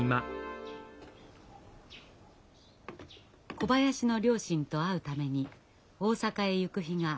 小林の両親と会うために大阪へ行く日が明日に迫っていました。